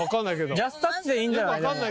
ジャストタッチでいいんじゃない？